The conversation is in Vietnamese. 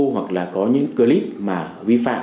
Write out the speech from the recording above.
hoặc là có những clip mà vi phạm